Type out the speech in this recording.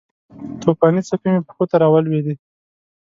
توپانې څپې مې پښو ته راولویدې